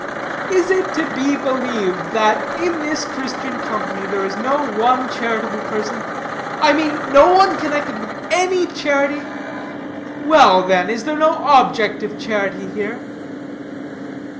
"Is it to be believed that, in this Christian company, there is no one charitable person? I mean, no one connected with any charity? Well, then, is there no object of charity here?"